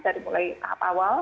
dari mulai tahap awal